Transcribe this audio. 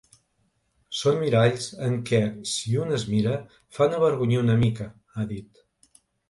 Són miralls en què si un es mira, fan avergonyir una mica, ha dit.